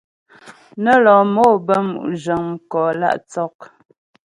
Nə́ lɔ mò bə́ mu' zhəŋ mkò lǎ' tsɔk.